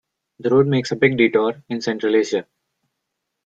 The road makes a big detour in Central Asia.